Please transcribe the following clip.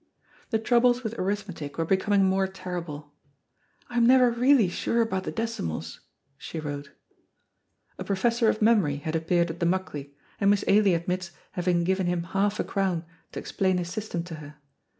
The troubles with arithmetic were becoming more terrible. "I am never really sure about the decimals," she wrote. A Professor of Memory had appeared at the Muckley, and Miss Ailie admits having given him half a crown to explain his system to her.